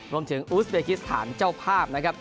รวมถึงอูสเบกิสถานเจ้าภาพนะครับ